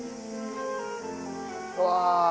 うわ！